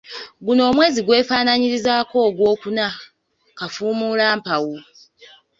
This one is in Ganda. Guno omwezi gwefaananyirizaako n'ogwokuna - Kafuumulampawu.